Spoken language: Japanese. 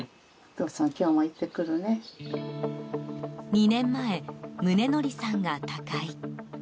２年前、宗徳さんが他界。